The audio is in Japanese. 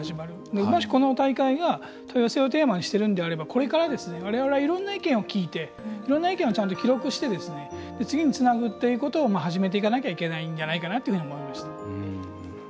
もしこの大会が多様性をテーマにしているのであればこれから、われわれはいろんな意見を聞いていろんな意見を記録して次につなぐということを始めていかなければいけないんじゃないかなって思いました。